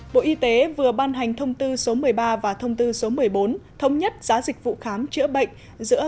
bộ y tế vừa ban hành thông tư số một mươi ba và thông tư số một mươi bốn thống nhất giá dịch vụ khám chữa bệnh giữa